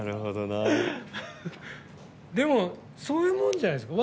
でもそういうもんじゃないですか。